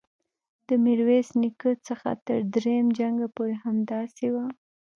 د میرویس نیکه څخه تر دریم جنګ پورې همداسې وه.